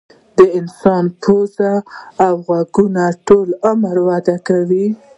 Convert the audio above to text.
د انسان پوزه او غوږونه ټول عمر وده کوي.